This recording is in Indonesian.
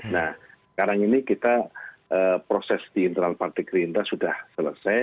nah sekarang ini kita proses di internal partai gerindra sudah selesai